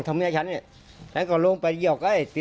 ครับรถฉันปิ้วไปด้วย